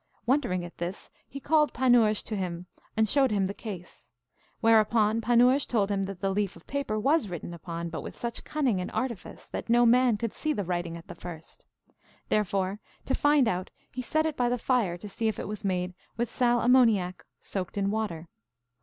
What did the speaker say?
Wondering at this, he called Panurge to him, and showed him the case. Whereupon Panurge told him that the leaf of paper was written upon, but with such cunning and artifice that no man could see the writing at the first sight. Therefore, to find it out, he set it by the fire to see if it was made with sal ammoniac soaked in water.